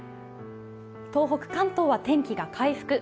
東北、関東は関東が回復。